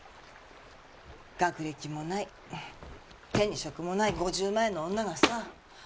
学歴もない手に職もない５０前の女がさ。